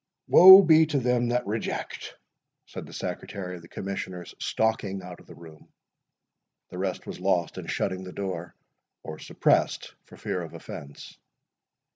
"Woe be to them that reject!" said the Secretary of the Commissioners, stalking out of the room—the rest was lost in shutting the door, or suppressed for fear of offence.